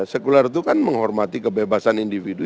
sekuler itu kan menghormati kebebasan individu